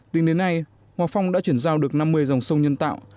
tính đến nay hòa phong đã chuyển giao được năm mươi dòng sông nhân tạo